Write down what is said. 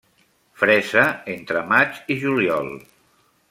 Fresa entre maig i juliol.